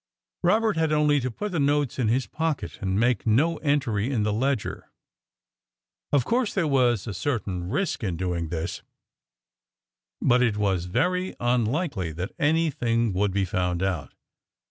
Robert had only to put the notes in his pocket, and make no entry in the ledger. Of course there was a certain risk in doing this; but it was very unlikely that anything would be found out.